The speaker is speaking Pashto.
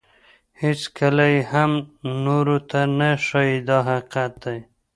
هیڅکله یې هم نورو ته نه ښایي دا حقیقت دی.